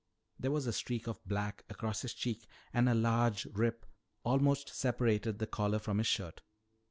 There was a streak of black across his cheek and a large rip almost separated the collar from his shirt.